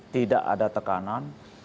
tidak ada tekanan